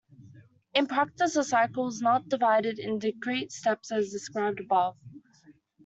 In practice the cycle is not divided in discrete steps as described above.